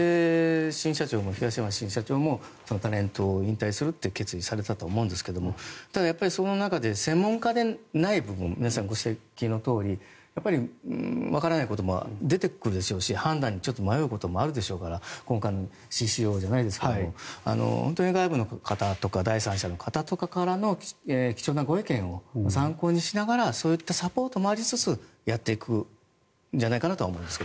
新社長、東山新社長もタレントを引退されると決意されたと思うんですがただ、その中で専門家でない部分皆さんがご指摘のようにやっぱりわからないことも出てくるでしょうし判断に迷うことも出てくるでしょうから今回の、ＣＣＯじゃないですけど本当に外部の方とか第三者の方からの貴重なご意見を参考にしながらそういったサポートもありつつやっていくんじゃないかと思うんですが。